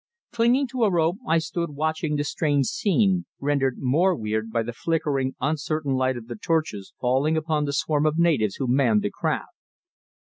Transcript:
Clinging to a rope I stood watching the strange scene, rendered more weird by the flickering uncertain light of the torches falling upon the swarm of natives who manned the craft.